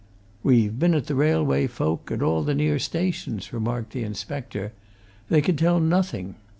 "We've been at the railway folk, at all the near stations," remarked the inspector. "They could tell nothing.